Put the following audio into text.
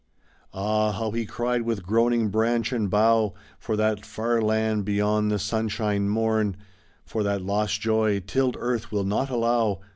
Ah, how he cried with groaning branch and bough ! For that far land beyond the sunshine mom, For that lost joy tilled earth will not allow.